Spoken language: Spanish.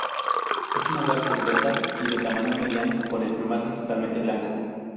Es una garza esbelta y de tamaño mediano con el plumaje totalmente blanco.